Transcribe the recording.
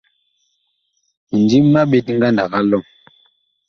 Mindim ma ɓet ngandag a lɔm.